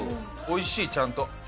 おいしいちゃんと。